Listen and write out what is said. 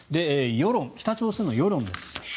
北朝鮮の世論です。